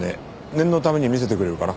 念のために見せてくれるかな？